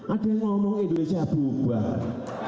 ada yang ngomong indonesia bubar